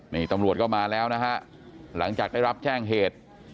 นี่ตำรวจก็มาแล้วนะฮะหลังจากได้รับแจ้งเหตุ